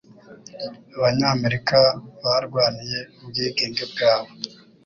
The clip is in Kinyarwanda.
Abanyamerika barwaniye ubwigenge bwabo